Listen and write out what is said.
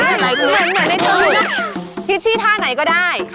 เหมือนให้ดูนะพี่ชี้ท่าไหนก็ได้